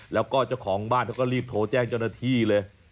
แล้วก็เจ้าของบ้านเขาก็รีบโทรแจ้งเจ้าหน้าที่เลย